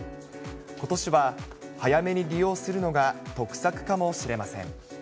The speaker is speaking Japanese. ことしは早めに利用するのが得策かもしれません。